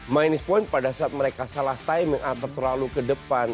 minus point pada saat mereka salah timing atau terlalu ke depan